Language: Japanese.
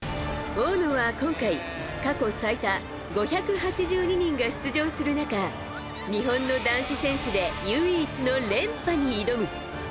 大野は今回過去最多５８２人が出場する中日本の男子選手で唯一の連覇に挑む。